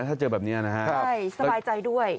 ถ้าเจอแบบนี้นะฮะใช่สบายใจด้วย